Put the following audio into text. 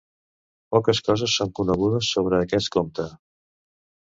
Poques coses són conegudes sobre aquest comte.